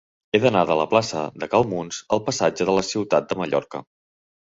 He d'anar de la plaça de Cal Muns al passatge de la Ciutat de Mallorca.